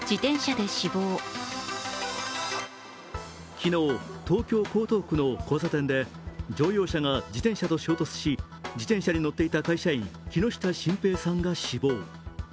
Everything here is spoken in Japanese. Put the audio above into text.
昨日、東京・江東区の交差点で乗用車が自転車と衝突し自転車に乗っていた会社員、木下晋平さんが死亡。